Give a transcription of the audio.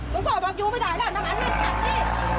ลงพ่อบอกอยู่ไม่ได้แล้วน้ำมันมันแขกนี่